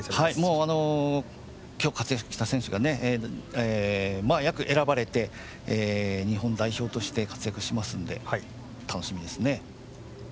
もう、今日活躍した選手がね、選ばれて日本代表として活躍しますんで楽しみですね。